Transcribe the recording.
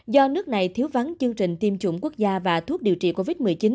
do nước này thiếu vắng chương trình tiêm chủng quốc gia và thuốc điều trị covid một mươi chín